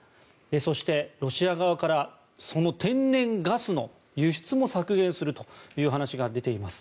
そして、ロシア側からその天然ガスの輸出も削減するという話が出ています。